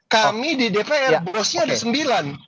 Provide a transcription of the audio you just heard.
kami di dpr bosnya ada sembilan